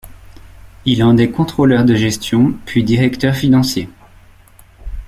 Il en est contrôleur de gestion puis directeur financier.